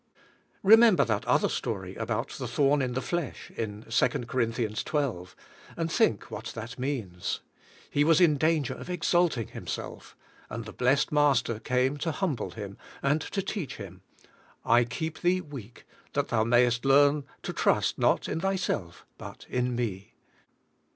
Remember that other story about the thorn in the flesh, in 2 Corinthians XH., and think what that means. He was in danger of exaltinghimself, and the blessed Master came to humble him, and to teach him: "I keep thee weak, that thou mayest learn to trust not in thyself, but in Me."